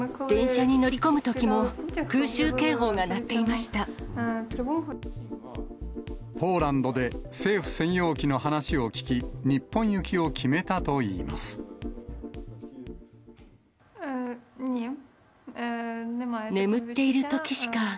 電車に乗り込むときも、空襲警報が鳴っていました。